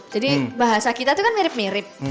jadi bahasa kita tuh kan mirip mirip